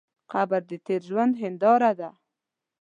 قبر د تېر ژوند هنداره ده.